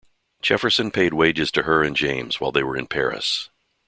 Jefferson paid wages to her and James while they were in Paris.